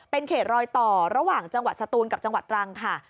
เป็นเขตรอยต่อระหว่างจังหวัดสตูนกับจังหวัดตรังค่ะ